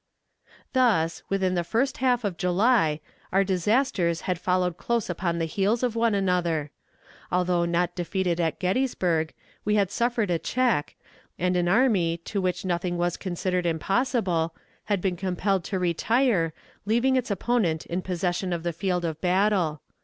Thus, within the first half of July, our disasters had followed close upon the heels of one another. Though not defeated at Gettysburg, we had suffered a check, and an army, to which nothing was considered impossible, had been compelled to retire, leaving its opponent in possession of the field of battle.